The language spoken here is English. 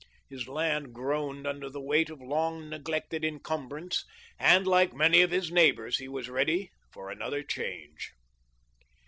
His land groaned under the weight of a long neglected incumbrance and, like many of his neighbors, he was ready for another change.